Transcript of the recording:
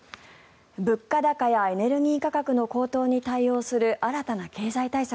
物価高やエネルギー価格の高騰に対応する新たな経済対策。